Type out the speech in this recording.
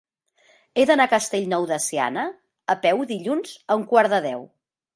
He d'anar a Castellnou de Seana a peu dilluns a un quart de deu.